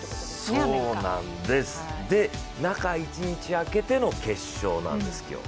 そうなんです、で、中１日あけての決勝なんです、今日。